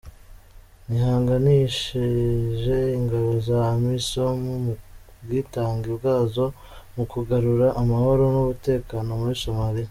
Nihanganishije ingabo za Amisom ku bwitange bwazo mu kugarura amahoro n’umutekano muri Somalia.